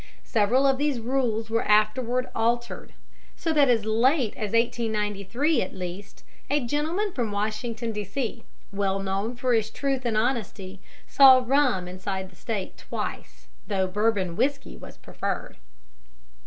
Several of these rules were afterwards altered, so that as late as 1893 at least a gentleman from Washington, D.C., well known for his truth and honesty, saw rum inside the State twice, though Bourbon whiskey was preferred.